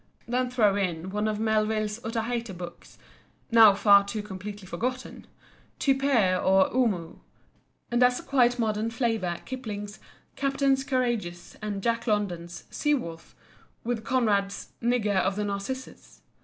Then throw in one of Melville's Otaheite books—now far too completely forgotten—"Typee" or "Omoo," and as a quite modern flavour Kipling's "Captains Courageous" and Jack London's "Sea Wolf," with Conrad's "Nigger of the Narcissus."